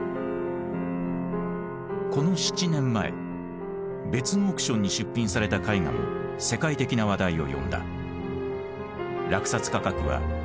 この７年前別のオークションに出品された絵画も世界的な話題を呼んだ。